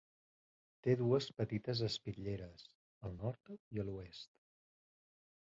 Té dues petites espitlleres, al nord i a l'oest.